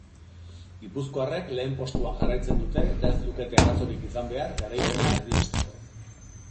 Gipuzkoarrek lehen postuan jarraitzen dute eta ez lukete arazorik izan behar garaipena erdiesteko.